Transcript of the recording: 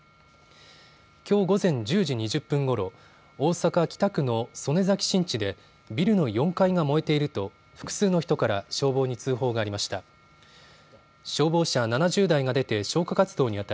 きょう午前１０時２０分ごろ大阪北区の曽根崎新地でビルの４階が燃えていると複数の人から消防に通報がありました。